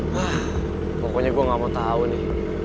wah pokoknya gue gak mau tahu nih